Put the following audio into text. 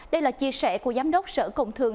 đây là chia sẻ của giám đốc sở công thương